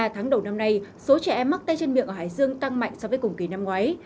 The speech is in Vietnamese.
ba tháng đầu năm nay số trẻ em mắc tay chân miệng ở hải dương tăng mạnh so với cùng kỳ năm ngoái